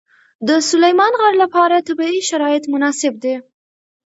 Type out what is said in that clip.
د سلیمان غر لپاره طبیعي شرایط مناسب دي.